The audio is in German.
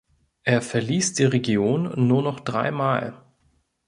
Er verließ die Region nur noch drei Mal.